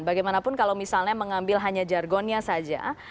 bagaimanapun kalau misalnya mengambil hanya jargonnya saja